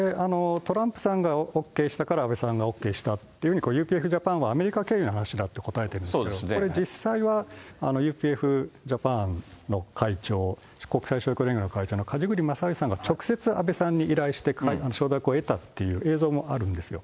トランプさんがＯＫしたから、安倍さんがＯＫしたっていうふうにＵＰＦジャパンはアメリカ経由の話だって答えてるんですけど、これ実際は、ＵＰＦジャパンの会長、国際勝共連合の会長のさんが直接、承諾を得たっていう映像もあるんですよ。